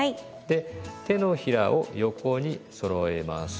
で手のひらを横にそろえます。